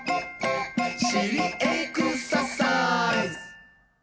「しりエクササイズ！」